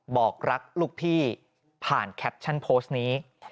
บอกรักลูกพี่ผ่านแคปชั่นโพสต์นี้